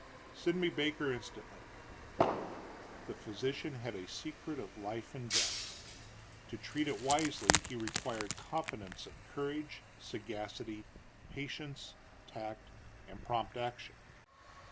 "Send me Baker instantly." The physician had a secret of life and death. To treat it wisely he required confidants of courage, sagacity, patience, tact, and prompt action.